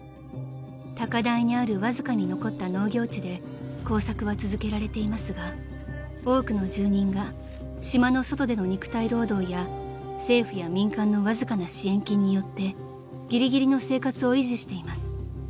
［高台にあるわずかに残った農業地で耕作は続けられていますが多くの住人が島の外での肉体労働や政府や民間のわずかな支援金によってギリギリの生活を維持しています］